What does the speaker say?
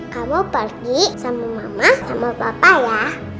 kamu pergi sama mama sama papa ya